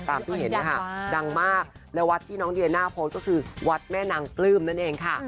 ที่เห็นนะคะดังมากและวัดที่น้องเดียน่าโพสต์ก็คือวัดแม่นางปลื้มนั่นเองค่ะ